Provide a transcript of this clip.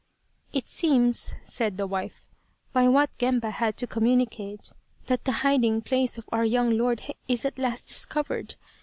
" It seems," said the wife, " by what Gemba had to communicate, that the hiding place of our young lord is at last discovered.